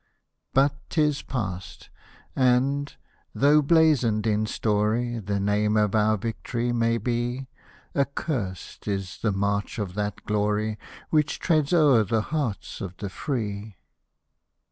But 'tis past — and, tho' blazoned in story The name of our Victor may be, Accurst is the march of that glory Which treads o'er the hearts of the free.